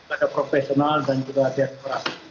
ada profesional dan juga di atas perang